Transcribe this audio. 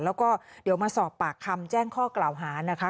แล้วก็เดี๋ยวมาสอบปากคำแจ้งข้อกล่าวหานะคะ